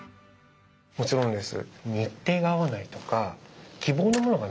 もちろんです。